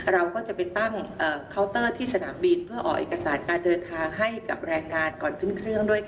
เราก็จะไปตั้งเคาน์เตอร์ที่สนามบินเพื่อออกเอกสารการเดินทางให้กับรายการก่อนขึ้นเครื่องด้วยค่ะ